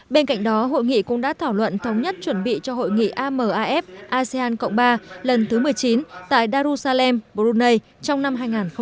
bên cạnh đó hội nghị cũng đã thảo luận thống nhất chuẩn bị cho hội nghị amaf asean cộng ba lần thứ một mươi chín tại darussalam brunei trong năm hai nghìn hai mươi